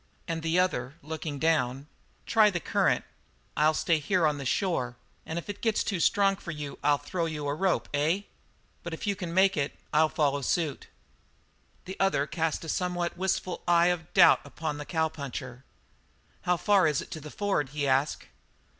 And the other, looking down: "Try the current, I'll stay here on the shore and if it gets too strong for you I'll throw out a rope, eh? But if you can make it, I'll follow suit." The other cast a somewhat wistful eye of doubt upon the cowpuncher. "How far is it to the ford?" he asked.